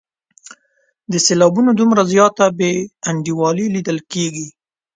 د سېلابونو دومره زیاته بې انډولي لیدل کیږي.